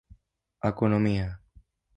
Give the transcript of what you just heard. Economia: